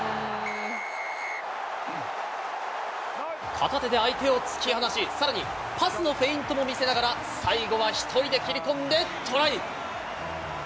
片手で相手を突き放し、さらに、パスのフェイントも見せながら、最後は１人で切り込んでトライ。